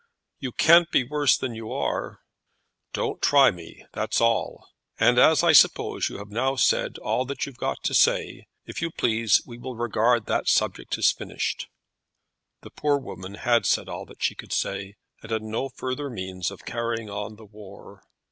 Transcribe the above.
"You can't be worse than you are." "Don't try me; that's all. And as I suppose you have now said all that you've got to say, if you please we will regard that subject as finished." The poor woman had said all that she could say, and had no further means of carrying on the war.